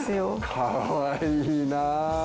かわいいなあ。